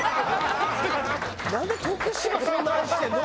なんで徳島そんな愛してるの？